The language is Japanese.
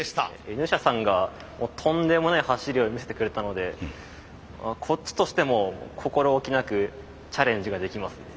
Ｎ社さんがとんでもない走りを見せてくれたのでこっちとしても心おきなくチャレンジができますね。